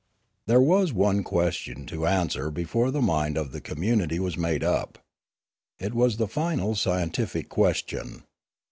There was one question to answer before the mind of the community was made up. It was the final scientific question.